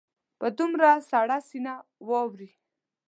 په دومره سړه سینه واوري.